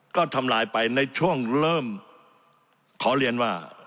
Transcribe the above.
ก็ทำลายไปในช่วงเริ่มขอเรียนว่า